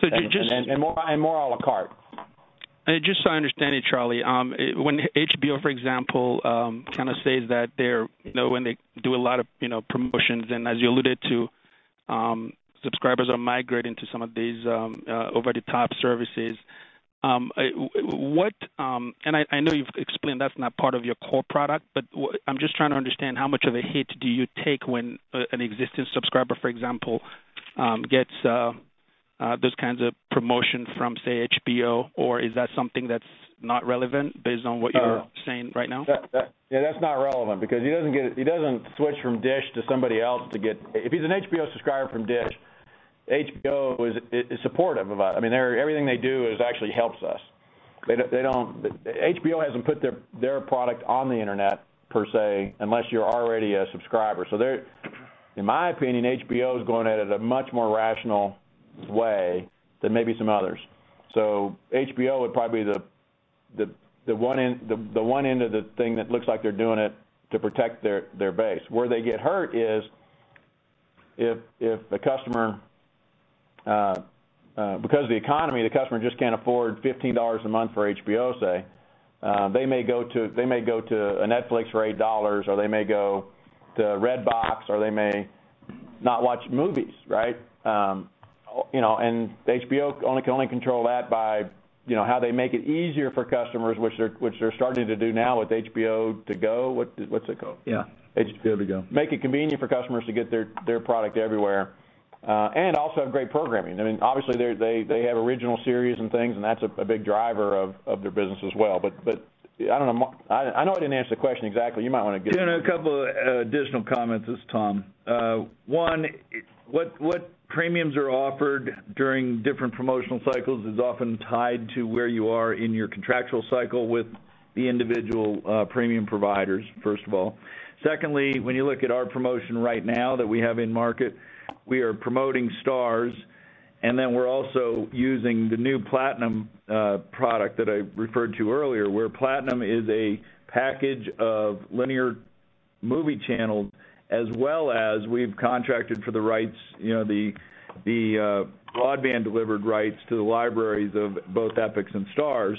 So just- More a la carte. Just so I understand it, Charlie, when HBO, for example, kind of says that they're, you know, when they do a lot of, you know, promotions and as you alluded to, subscribers are migrating to some of these over-the-top services, I know you've explained that's not part of your core product, but I'm just trying to understand how much of a hit do you take when an existing subscriber, for example, gets those kinds of promotion from, say, HBO, or is that something that's not relevant based on what you're saying right now? Yeah, that's not relevant because he doesn't switch from DISH to somebody else to get If he's an HBO subscriber from DISH, HBO is supportive of us. I mean, everything they do is actually helps us. They don't HBO hasn't put their product on the internet per se, unless you're already a subscriber. In my opinion, HBO is going at it a much more rational way than maybe some others. HBO would probably be the one end of the thing that looks like they're doing it to protect their base. Where they get hurt is if a customer, because of the economy, the customer just can't afford $15 a month for HBO, say. They may go to a Netflix for $8, or they may go to Redbox, or they may not watch movies, right? You know, HBO only can only control that by, you know, how they make it easier for customers, which they're starting to do now with HBO Go. What's it called? Yeah. H- HBO Go. Make it convenient for customers to get their product everywhere. Also have great programming. I mean, obviously they have original series and things, and that's a big driver of their business as well. I don't know, I know I didn't answer the question exactly. You might wanna give. Tuna, a couple additional comments. This is Tom. One, what premiums are offered during different promotional cycles is often tied to where you are in your contractual cycle with the individual premium providers, first of all. Secondly, when you look at our promotion right now that we have in market, we are promoting Starz, and then we're also using the new Platinum product that I referred to earlier. Where Platinum is a package of linear movie channels, as well as we've contracted for the rights, you know, the broadband delivered rights to the libraries of both Epix and Starz.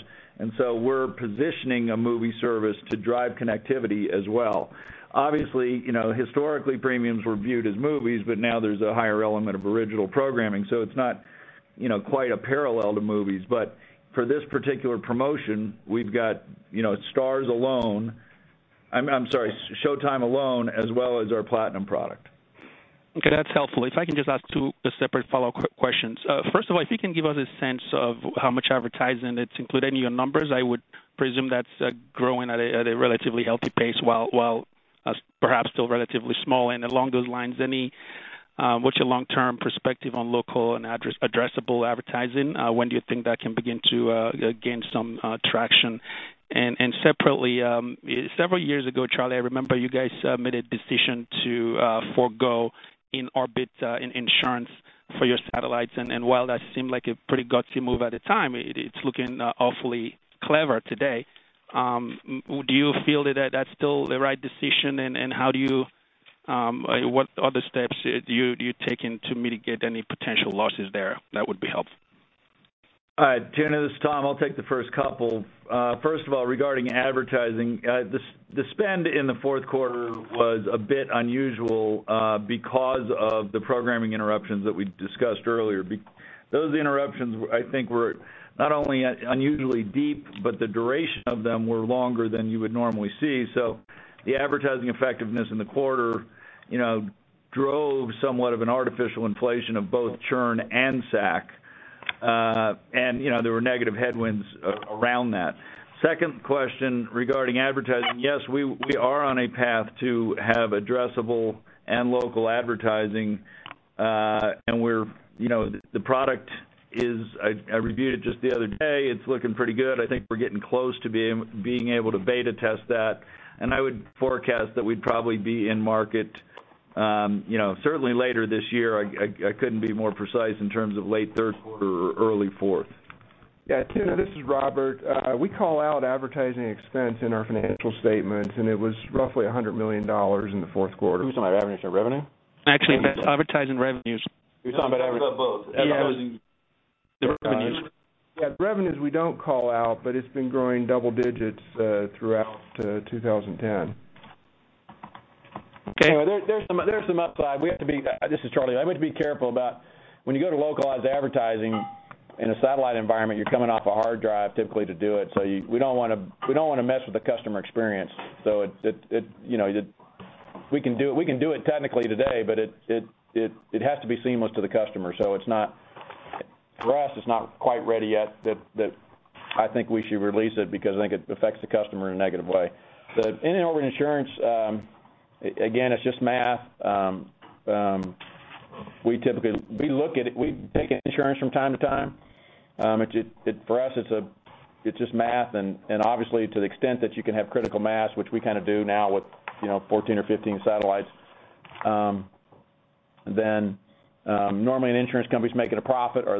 We're positioning a movie service to drive connectivity as well. Obviously, you know, historically premiums were viewed as movies, but now there's a higher element of original programming, so it's not, you know, quite a parallel to movies. For this particular promotion, we've got, you know, Starz alone. I'm sorry, Showtime alone, as well as our Platinum product. Okay, that's helpful. If I can just ask two separate follow-up questions. First of all, if you can give us a sense of how much advertising that's included in your numbers, I would presume that's growing at a relatively healthy pace while perhaps still relatively small. Along those lines, any, what's your long-term perspective on local and addressable advertising? When do you think that can begin to gain some traction? Separately, several years ago, Charlie, I remember you guys made a decision to forego in-orbit insurance for your satellites, and while that seemed like a pretty gutsy move at the time, it's looking awfully clever today. Do you feel that that's still the right decision? How do you, what other steps do you take in to mitigate any potential losses there? That would be helpful. All right. Tuna, this is Tom. I'll take the first couple. First of all, regarding advertising, the spend in the fourth quarter was a bit unusual because of the programming interruptions that we discussed earlier. Those interruptions were, I think, not only unusually deep, but the duration of them were longer than you would normally see. The advertising effectiveness in the quarter, you know, drove somewhat of an artificial inflation of both churn and SAC. You know, there were negative headwinds around that. Second question regarding advertising, yes, we are on a path to have addressable and local advertising. We're, you know, the product is I reviewed it just the other day. It's looking pretty good. I think we're getting close to being able to beta test that. I would forecast that we'd probably be in market, you know, certainly later this year. I couldn't be more precise in terms of late third quarter or early fourth. Yeah. Tuna, this is Robert. We call out advertising expense in our financial statements, and it was roughly $100 million in the fourth quarter. You're talking about advertising revenue? Actually, advertising revenues. You're talking about ad-. We talk about both. Yeah. Advertising revenues. Yeah. Revenues we don't call out, but it's been growing double digits, throughout 2010. Okay. Well, there's some upside. This is Charlie. We have to be careful about when you go to localized advertising in a satellite environment, you're coming off a hard drive typically to do it. We don't wanna mess with the customer experience. It, you know, we can do it technically today, but it has to be seamless to the customer. It's not, for us, it's not quite ready yet that I think we should release it because I think it affects the customer in a negative way. And over insurance, again, it's just math. We typically, we look at it, we take insurance from time to time. For us, it's just math and obviously to the extent that you can have critical mass, which we kind of do now with 14 or 15 satellites, normally an insurance company's making a profit or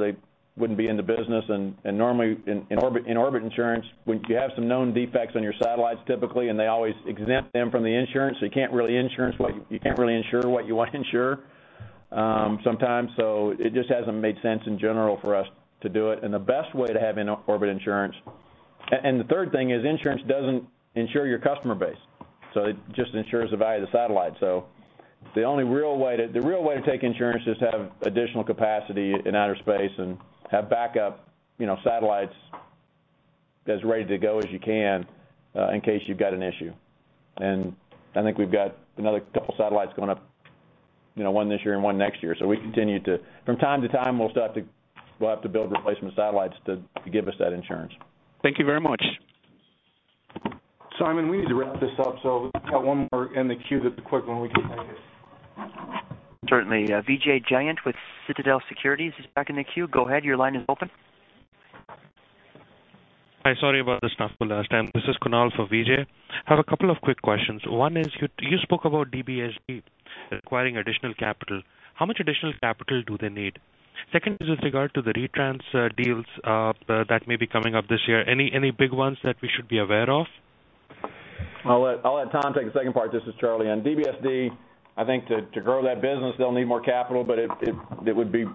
they wouldn't be in the business. Normally in-orbit insurance, when you have some known defects on your satellites, typically, they always exempt them from the insurance, so you can't really insure what you want to insure sometimes. It just hasn't made sense in general for us to do it. The best way to have in-orbit insurance and the third thing is insurance doesn't insure your customer base, it just insures the value of the satellite. The real way to take insurance is to have additional capacity in outer space and have backup, you know, satellites as ready to go as you can, in case you've got an issue. I think we've got another couple satellites going up, you know, one this year and one next year. We continue to From time to time, we'll have to build replacement satellites to give us that insurance. Thank you very much. Simon, we need to wrap this up, so we've got one more in the queue that's a quick one. We can take it. Certainly. Vijay Jayant with Citadel Securities is back in the queue. Go ahead. Your line is open. Hi. I'm sorry about the stuff. This is Kunal for VJ. I have a couple of quick questions. One is, you spoke about DBSD requiring additional capital. How much additional capital do they need? Second, with regard to the retrans deals that may be coming up this year, any big ones that we should be aware of? I'll let Tom take the second part. This is Charlie. On DBSD, I think to grow that business, they'll need more capital, but it would be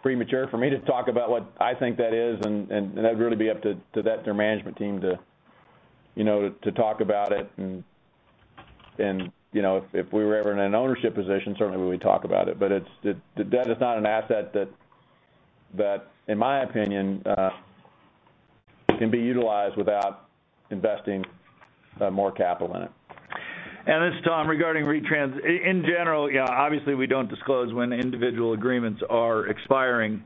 premature for me to talk about what I think that is, and that really would be up to their management team to, you know, to talk about it. And, you know, if we were ever in an ownership position, certainly we'll talk about it. But it's that it's not an asset that, in my opinion, can be utilized without investing more capital in it. This is Tom. Regarding retrans, in general, obviously, we don't disclose when the individual agreements are expiring.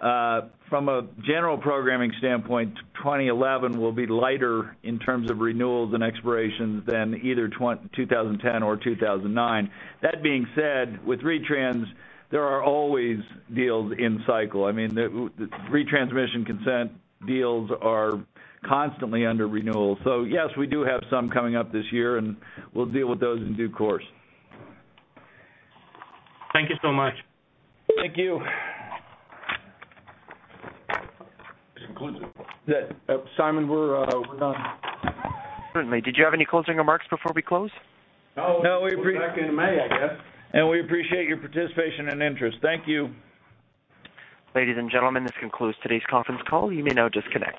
From a general programming standpoint, 2011 will be lighter in terms of renewals and expirations than either 2010 or 2009. That being said, with retrans, there are always deals in cycle. I mean, retransmission consent deals are constantly under renewal. So yes, we do have some coming up this year and we'll deal with those in due course. Thank you so much.. Did you have any closing remarks before we close? No. Thank you. Simon. No, we appreciate your participation and interest Ladies and gentlemen, this concludes today's conference call. You may now disconnect.